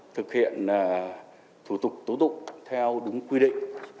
thực hiện thủ tục tố tụng theo đúng quy định